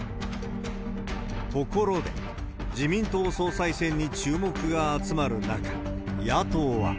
ところで、自民党総裁選に注目が集まる中、野党は。